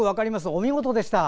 お見事でした！